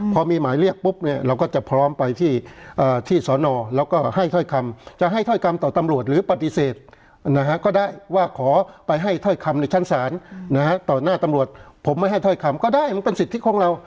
พอมีหมายเรียกปุ๊บเนี่ยเราก็จะพร้อมไปที่สอนอแล้วก็ให้ถ้อยคำจะให้ถ้อยคำต่อตำรวจหรือปฏิเสธนะฮะก็ได้ว่าขอไปให้ถ้อยคำในชั้นศาลนะฮะต่อหน้าตำรวจผมไม่ให้ถ้อยคำก็ได้มันเป็นสิทธิของเรา